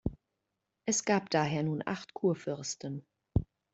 Es gab daher nun acht Kurfürsten.